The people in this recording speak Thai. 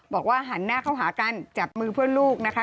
บอกว่าหันหน้าเข้าหากันจับมือเพื่อนลูกนะคะ